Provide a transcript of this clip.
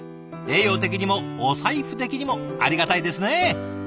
栄養的にもお財布的にもありがたいですね。